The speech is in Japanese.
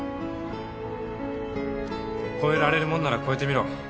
越えられるもんなら越えてみろ。